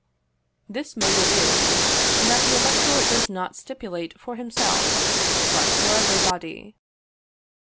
This motive is, that the elector does not stipulate for himself, but for everybody.